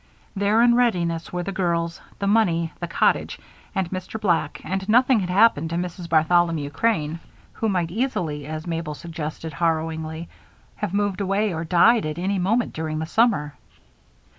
There, in readiness, were the girls, the money, the cottage, and Mr. Black, and nothing had happened to Mrs. Bartholomew Crane who might easily, as Mabel suggested harrowingly, have moved away or died at any moment during the summer.